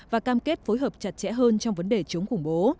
và cam kết phối hợp chặt chẽ hơn trong vấn đề chống khủng bố